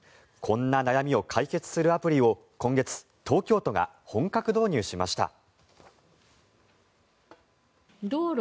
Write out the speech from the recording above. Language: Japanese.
こんな悩みを解決するアプリを今月、東京都が本格導入しました。